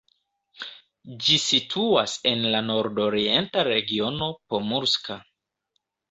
Ĝi situas en la nordorienta regiono Pomurska.